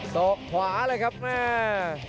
ศอกขวาเลยครับแม่